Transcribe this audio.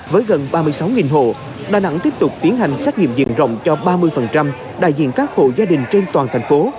với gần ba mươi sáu hộ đà nẵng tiếp tục tiến hành xét nghiệm diện rộng cho ba mươi đại diện các hộ gia đình trên toàn thành phố